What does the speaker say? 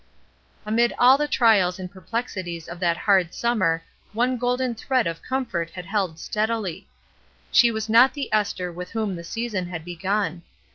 Amid all the trials and perplexities of that hard summer one golden thread of comfort had held steadily : she was not the Esther with whom the season had begun.